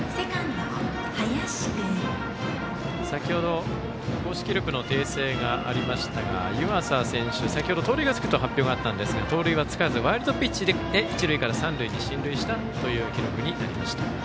先ほど、公式記録の訂正がありましたが湯浅選手、先ほど盗塁がつくと発表がありましたが盗塁はつかず、ワイルドピッチで一塁から三塁に進塁したという記録になりました。